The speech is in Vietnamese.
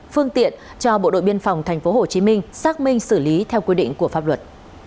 phương tiện cho bộ đội biên phòng tp hcm xác minh xử lý theo quy định của pháp luật